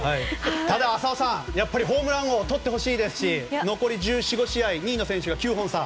ただ、浅尾さんホームラン王を取ってほしいですし残り１４１５試合２位の選手が９本差。